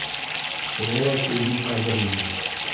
Шуға ла күлдең ҡәҙере юҡ.